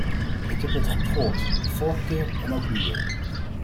Ik heb dat goed gehoord, de vorige keer en ook nu weer.